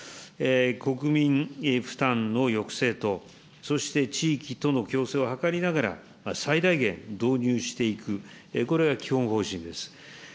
国民負担の抑制と、そして地域との共生を図りながら、最大限導入していく、これが基本方針です。